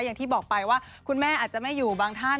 อย่างที่บอกไปว่าคุณแม่อาจจะไม่อยู่บางท่าน